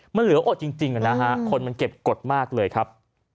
มันเหลืออดจริงนะฮะคนมันเก็บกฎมากเลยครับ